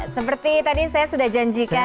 seperti tadi saya sudah janjikan